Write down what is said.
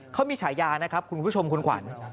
เขามีฉายานะครับคุณผู้ชมคุณขวัญ